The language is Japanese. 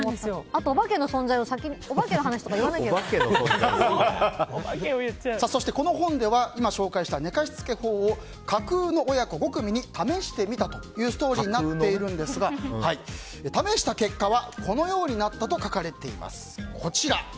あと、お化けの話とかそしてこの本では今、紹介した寝かしつけ法を架空の親子５組に試してみたというストーリーになっているんですが試した結果はこのようになったと書かれています。